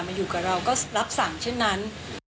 มาอยู่กับเราก็รับสั่งเช่นนั้น